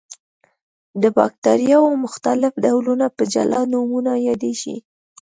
د باکتریاوو مختلف ډولونه په جلا نومونو یادیږي.